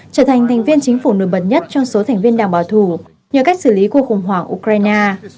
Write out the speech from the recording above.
trở thành thành viên chính phủ nổi bật nhất trong số thành viên đảng bảo thủ nhờ cách xử lý cuộc khủng hoảng ukraine